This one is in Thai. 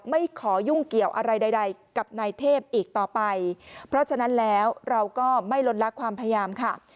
ไม่ขอยุ่งเกี่ยวอะไรใดกับนายเทพอีกต่อไปเพราะฉะนั้นแล้วเราก็ไม่ลดละความพยายามค่ะ